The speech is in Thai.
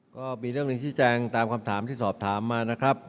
ก็มีเรื่องหนึ่งชี้แจงตามคำถามที่สอบถามมานะครับ